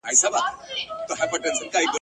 شپه مو نسته بې کوکاره چي رانه سې ..